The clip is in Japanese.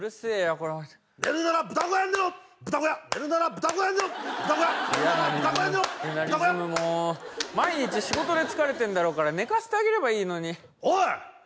この人寝るなら豚小屋で寝ろ豚小屋寝るなら豚小屋で寝ろ豚小屋寝るなら豚小屋で寝ろ豚小屋毎日仕事で疲れてんだろうから寝かせてあげればいいのにおい！